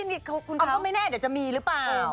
คุณคำว่าไม่แน่เดี๋ยวจะมีหรือเปล่า